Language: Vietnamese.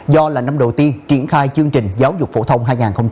do là năm đầu tiên triển khai chương trình giáo dục phổ thông hai nghìn một mươi chín